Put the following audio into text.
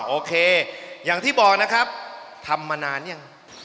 โอเคอย่างที่บอกนะครับทำมานานยัง